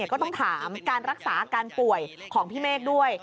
ก็ต้องถามการรักษาอาการป่วยของพี่เมฆด้วย